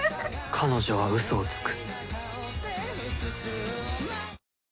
彼女はうそをつく。